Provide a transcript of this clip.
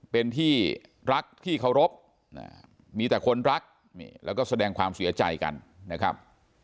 เป็นที่รักที่เคารพมีแต่คนรักแล้วก็แสดงความเสียใจกันนะครับ